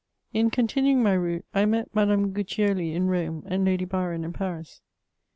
In continuing my route, I met Madame GuiccioU in Rome, and Lady Byron in Paris.